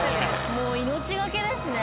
もう命懸けですね。